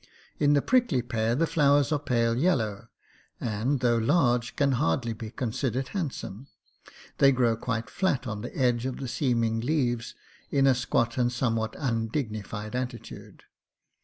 In the prickly pear the flowers are pale yellow, and, though large, can hardly be con sidered handsome. They grow quite flat on the edge of the seem ing leaves, in a squat and somewhat undignified attitude.